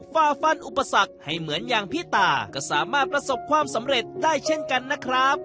ฝ่าฟันอุปสรรคให้เหมือนอย่างพี่ตาก็สามารถประสบความสำเร็จได้เช่นกันนะครับ